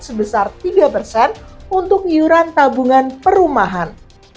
sebesar tiga persen untuk iuran tabungan perumahan